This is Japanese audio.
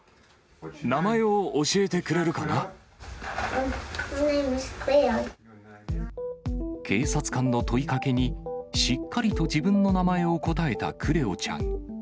名前を教えてくれる警察官の問いかけに、しっかりと自分の名前を答えたクレオちゃん。